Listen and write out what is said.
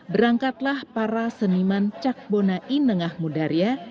berangkatlah para seniman cak bona inengah mudarya